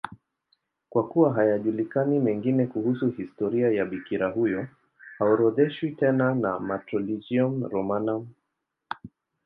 Kwa kuwa hayajulikani mengine kuhusu historia ya bikira huyo, haorodheshwi tena na Martyrologium Romanum.